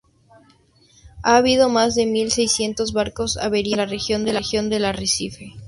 Ha habido más de mil seiscientos barcos averiados en la región del arrecife.